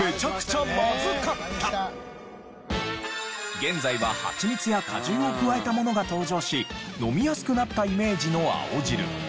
現在はハチミツや果汁を加えたものが登場し飲みやすくなったイメージの青汁。